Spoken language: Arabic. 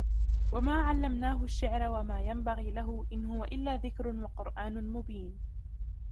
وما علمناه الشعر وما ينبغي له إن هو إلا ذكر وقرآن مبين